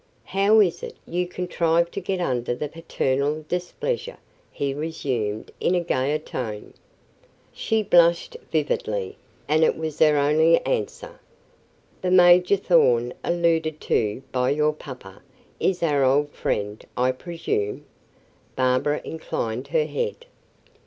"How is it you contrive to get under the paternal displeasure?" he resumed, in a gayer tone. She blushed vividly, and it was her only answer. "The Major Thorn alluded to by your papa is our old friend, I presume?" Barbara inclined her head.